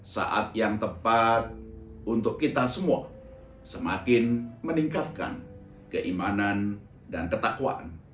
saat yang tepat untuk kita semua semakin meningkatkan keimanan dan ketakwaan